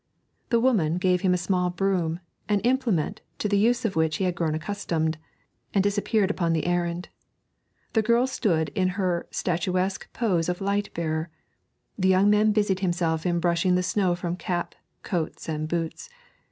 The woman gave him a small broom, an implement to the use of which he had grown accustomed, and disappeared upon the errand. The girl stood still in her statuesque pose of light bearer. The young man busied himself in brushing the snow from cap and coat and boots.